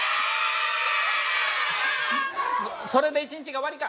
それで一日が終わりか！